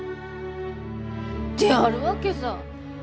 であるわけさぁ。